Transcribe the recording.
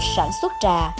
sản xuất trà